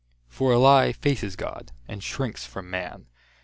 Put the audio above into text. For a lie faces God, and shrinks from man.